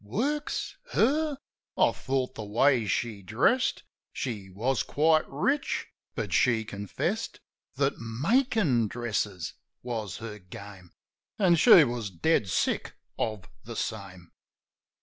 Works? Her? I thought, the way she dressed, She was quite rich; but she confessed That makin' dresses was her game. An' she was dead sick of the same.